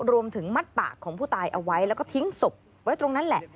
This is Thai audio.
รวมถึงมัดปากของผู้ตายเอาไว้แล้วก็ทิ้งศพไว้ตรงนั้นแหละ